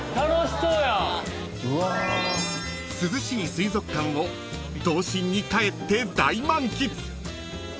［涼しい水族館を童心に帰って大満喫］